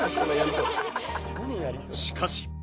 しかし。